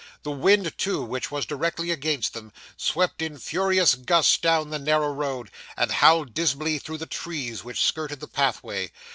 The wind, too, which was directly against them, swept in furious gusts down the narrow road, and howled dismally through the trees which skirted the pathway.